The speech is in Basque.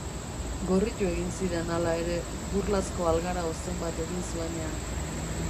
Gorritu egin ziren, hala ere, burlazko algara ozen bat egin zuenean.